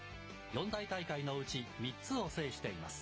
四大大会のうち３つを制しています。